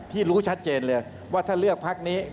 รู้ชัดเจนเลยว่าถ้าเลือกพักนี้